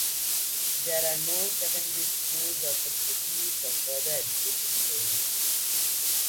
There are no secondary schools or facilities for further education in the area.